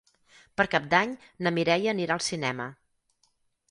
Per Cap d'Any na Mireia anirà al cinema.